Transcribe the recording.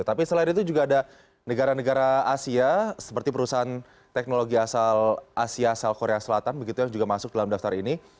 tapi selain itu juga ada negara negara asia seperti perusahaan teknologi asal asia asal korea selatan begitu yang juga masuk dalam daftar ini